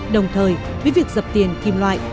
đồng thời với việc dập tiền kim loại